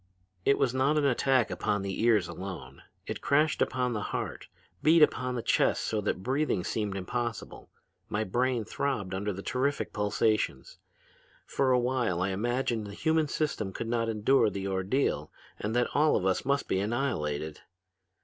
It was not an attack upon the ears alone; it crashed upon the heart, beat upon the chest so that breathing seemed impossible. My brain throbbed under the terrific pulsations. For a while I imagined the human system could not endure the ordeal and that all of us must be annihilated.